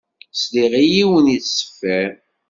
Sliɣ i yiwen yettṣeffiṛ.